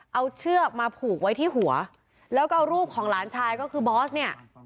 เอาเชือกมาผูกไว้ที่หัวแล้วก็เอารูปของหลานชายก็คือบอสเนี่ย